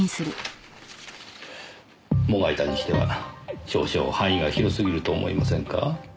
もがいたにしては少々範囲が広過ぎると思いませんか？